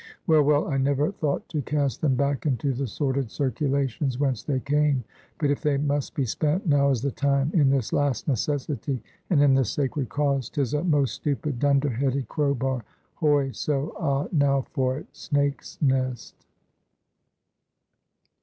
Well, well, I never thought to cast them back into the sordid circulations whence they came. But if they must be spent, now is the time, in this last necessity, and in this sacred cause. 'Tis a most stupid, dunderheaded crowbar. Hoy! so! ah, now for it: snake's nest!"